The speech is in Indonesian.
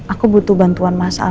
aku butuh bantuan mas al